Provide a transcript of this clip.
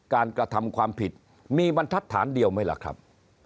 กระทำความผิดมีบรรทัศน์เดียวไหมล่ะครับ